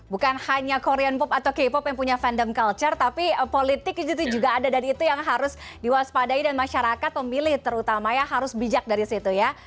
bukan hanya korean pop atau k pop yang punya fandom culture tapi politik itu juga ada dan itu yang harus diwaspadai dan masyarakat memilih terutama ya harus bijak dari situ ya